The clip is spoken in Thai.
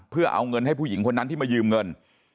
เพื่อเอาเงินให้ผู้หญิงคนนั้นที่มายืมเงิน